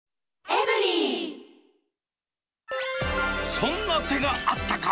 そんな手があったか！